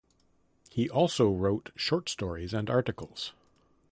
He also wrote short stories and articles.